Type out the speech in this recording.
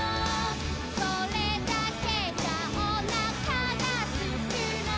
「それだけじゃおなかがすくの」